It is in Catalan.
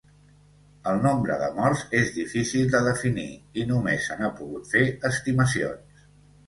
El nombre de morts és difícil de definir i només se n'ha pogut fer estimacions.